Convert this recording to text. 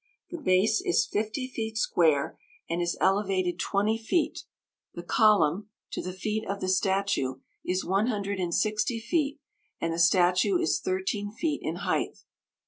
The base is fifty feet square, and is elevated twenty feet; the column, to the feet of the statue, is one hundred and sixty feet, and the statue is thirteen feet in height.